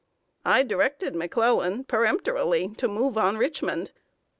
I directed McClellan peremptorily to move on Richmond.